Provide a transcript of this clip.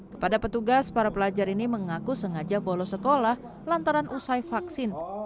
kepada petugas para pelajar ini mengaku sengaja bolos sekolah lantaran usai vaksin